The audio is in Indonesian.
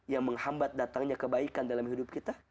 yang menghambat datangnya kebaikan dalam hidup kita